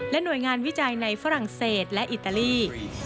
หน่วยงานวิจัยในฝรั่งเศสและอิตาลี